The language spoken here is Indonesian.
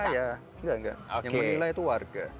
yang menilai itu warga